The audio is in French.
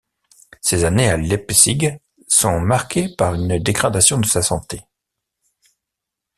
Ces années à Leipzig sont marquées par une dégradation de sa santé.